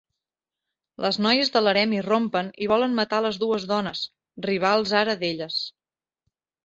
Les noies de l'harem irrompen i volen matar les dues dones, rivals ara d'elles.